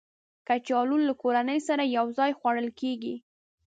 کچالو له کورنۍ سره یو ځای خوړل کېږي